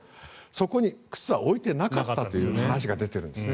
そこに靴は置いていなかったという話が出ているんです。